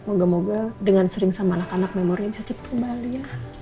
moga moga dengan sering sama anak anak memorinya bisa cepat kembali ya